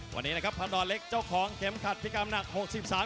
วันนี้นะครับพระนอนเล็กเจ้าของเข็มขัดพี่กำหนัก๖๓กิโลกรัม